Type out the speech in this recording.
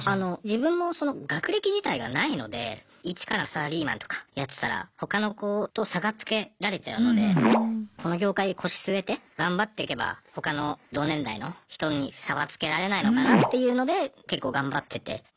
自分も学歴自体がないので一からサラリーマンとかやってたらほかの子と差がつけられちゃうのでこの業界腰据えて頑張っていけばほかの同年代の人に差はつけられないのかなっていうので結構頑張ってて。